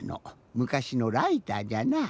むかしのライターじゃなぁ。